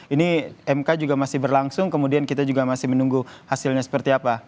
ini mk juga masih berlangsung kemudian kita juga masih menunggu hasilnya seperti apa